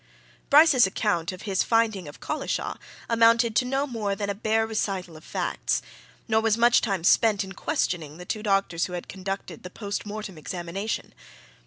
Bryce's account of his finding of Collishaw amounted to no more than a bare recital of facts. Nor was much time spent in questioning the two doctors who had conducted the post mortem examination.